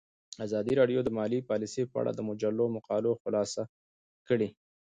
ازادي راډیو د مالي پالیسي په اړه د مجلو مقالو خلاصه کړې.